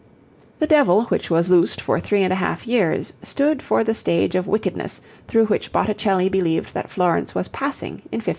The Devil which was loosed for three and a half years stood for the stage of wickedness through which Botticelli believed that Florence was passing in 1500.